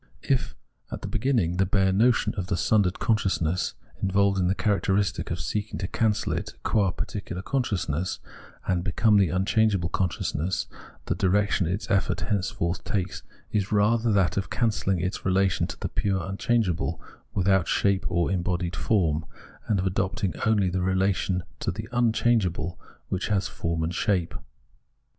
If, at the beginning, the bare notion of the sundered consciousness involved the characteristic of seeking to cancel it, qua particular consciousness, and become the unchangeable consciousness, the direction its effort henceforth takes is rather that of cancelHng its relation to the pure unchangeable, without shape or embodied form, and of adopting only the relation to the un changeable which has form and shape.